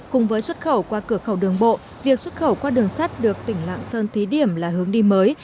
cùng với xuất khẩu qua cửa khẩu đường bộ việc xuất khẩu qua đường sắt được tỉnh lạng sơn thí điểm là hướng đi mới